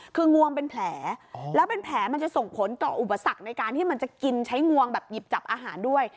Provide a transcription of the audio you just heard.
คืองวงเป็นแผลแล้วเป็นแผลมันจะส่งผลต่ออุปสรรคในการที่มันจะกินใช้งวงแบบหยิบจับอาหารด้วย